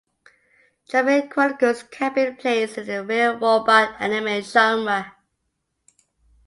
"Jovian Chronicles" can be placed in the Real Robot anime genre.